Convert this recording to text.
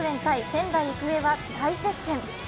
仙台育英は大接戦。